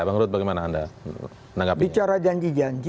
bagaimana anda menanggapinya bicara janji janji